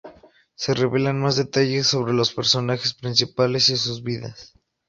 Se revelan más detalles sobre los personajes principales y sus vidas.